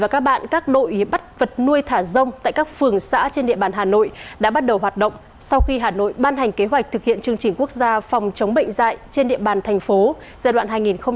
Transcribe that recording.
các đội bắt vật nuôi thả rông tại các phường xã trên địa bàn hà nội đã bắt đầu hoạt động sau khi hà nội ban hành kế hoạch thực hiện chương trình quốc gia phòng chống bệnh dạy trên địa bàn thành phố giai đoạn hai nghìn hai mươi hai hai nghìn ba mươi